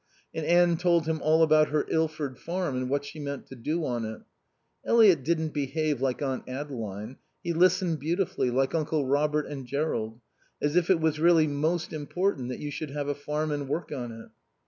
And Anne told him all about her Ilford farm and what she meant to do on it. Eliot didn't behave like Aunt Adeline, he listened beautifully, like Uncle Robert and Jerrold, as if it was really most important that you should have a farm and work on it.